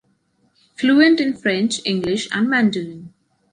Fluent in French, English and Mandarin.